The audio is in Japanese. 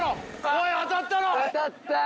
おい当たったろ！